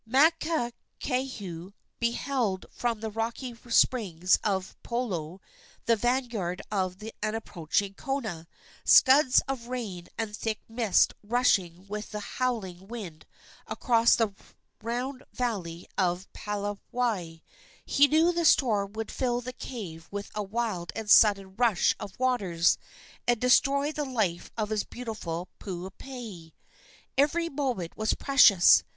Makakehau beheld from the rocky springs of Pulou the vanguard of an approaching kona scuds of rain and thick mist rushing with a howling wind across the round valley of Palawai. He knew the storm would fill the cave with a wild and sudden rush of waters, and destroy the life of his beautiful Puupehe. Every moment was precious.